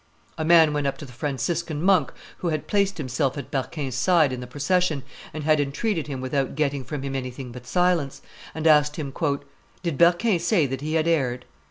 A man went up to the Franciscan monk who had placed himself at Berquin's side in the procession, and had entreated him without getting from him anything but silence, and asked him, "Did Berquin say that he had erred?"